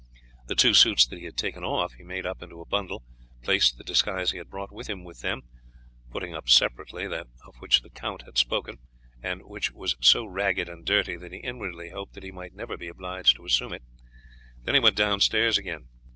The two suits that he had taken off he made up into a bundle, placed the disguise he had brought with him with them, putting up separately that of which the count had spoken, and which was so ragged and dirty that he inwardly hoped he might never be obliged to assume it; then he went downstairs again.